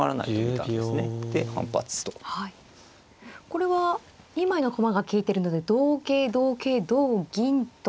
これは２枚の駒が利いてるので同桂同桂同銀と。